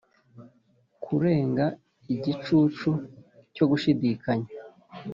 kurenga igicucu cyo gushidikanya